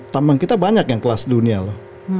tambang kita banyak yang kelas dunia loh